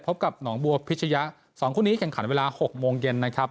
กับหนองบัวพิชยะ๒คู่นี้แข่งขันเวลา๖โมงเย็นนะครับ